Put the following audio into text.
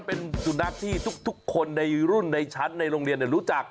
เป็นสุนัขที่ทุกคนในรุ่นในชั้นในโรงเรียนรู้จัก